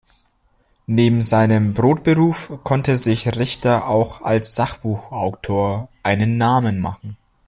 Neben seinem Brotberuf konnte sich Richter auch als Sachbuchautor einen Namen machen.